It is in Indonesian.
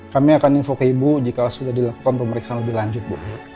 kami akan info ke ibu jika sudah dilakukan pemeriksaan lebih lanjut bu